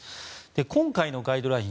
今回のガイドライン